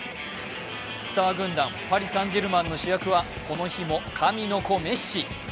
スター軍団、パリ・サン＝ジェルマンの主役はこの日も神の子・メッシ。